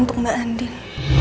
untuk mbak andin